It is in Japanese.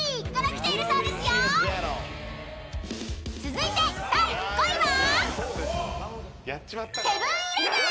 ［続いて第５位は］